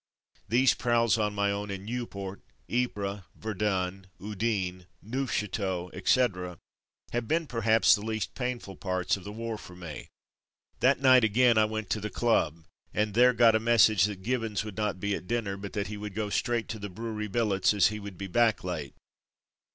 These prowls on my own in Nieuport, Ypres, Verdun, Udine, Neufchateau, etc., have been perhaps the least painful parts of the war for me. That night, again, I went to A Brewery Billet 281 the Club and there got a message that Gib bons would not be at dinner, but that he would go straight to the brewery billets as he would be back late.